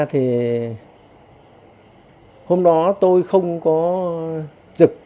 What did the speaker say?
hôm đó tôi không có dực